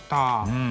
うん。